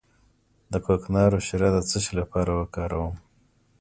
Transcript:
د کوکنارو شیره د څه لپاره وکاروم؟